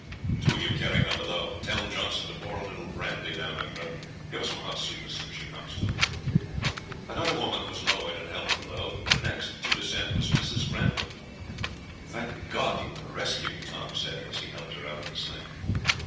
"Two of you carry her down below; tell Johnson to pour a little brandy down her throat. Give her some hot soup as soon as she comes to." Another woman was lowered and helped below. The next to descend was Mrs. Grantham. "Thank God, you are rescued!" Tom said, as he helped her out of the sling.